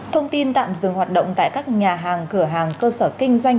thông tin tạm dừng hoạt động tại các nhà hàng cửa hàng cơ sở kinh doanh